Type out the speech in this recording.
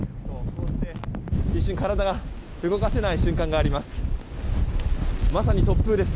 一瞬、体が動かせない瞬間があります。